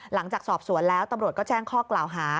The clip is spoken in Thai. หลังจากสอบสวนแล้วตำรวจก็แจ้งข้อกล่าวหา